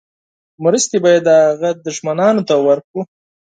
مرستې به یې د هغه دښمنانو ته ورکړو.